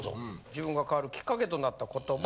自分が変わるきっかけとなった言葉。